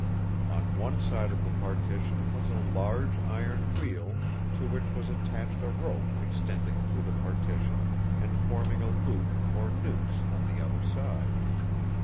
On one side of the partition was a large iron wheel to which was attached a rope extending through the partition and forming a loop or noose on the other side.